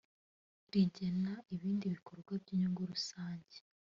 rigena ibindi bikorwa by’inyungu rusange